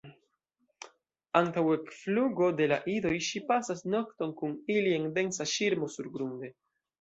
Antaŭ ekflugo de la idoj ŝi pasas nokton kun ili en densa ŝirmo surgrunde.